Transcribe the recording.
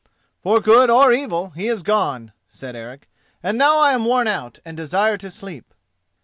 "For good or evil, he is gone," said Eric, "and now I am worn out and desire to sleep."